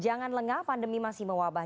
jangan lengah pandemi masih mewabah